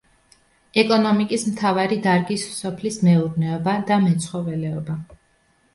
ეკონომიკის მთავარი დარგის სოფლის მეურნეობა და მეცხოველეობა.